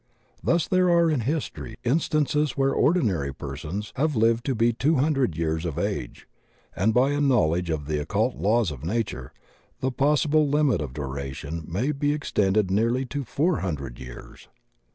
Thus there are in history instances where ordinary persons have lived to be two hundred years of age; and by a knowledge of the occult laws of nature the possible limit of duration may be extended nearly to four him dred years.